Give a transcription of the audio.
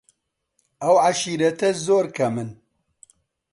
ئەو عەشیرەتە زۆر کەمن